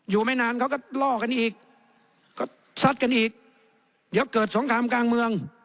ไม่นานเขาก็ล่อกันอีกก็ซัดกันอีกเดี๋ยวเกิดสงครามกลางเมือง